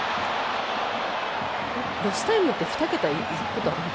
ロスタイムって２桁いくことあるの？